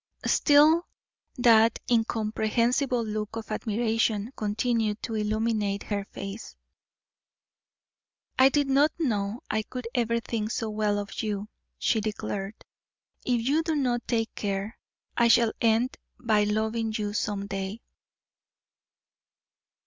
Still that incomprehensible look of admiration continued to illumine her face. "I did not know I could ever think so well of you," she declared. "If you do not take care, I shall end by loving you some day."